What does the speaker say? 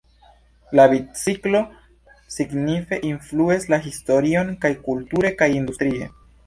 La biciklo signife influis la historion kaj kulture kaj industrie.